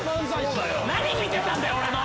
何見てたんだよ俺の！